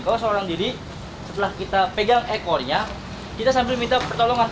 kalau seorang diri setelah kita pegang ekornya kita sambil minta pertolongan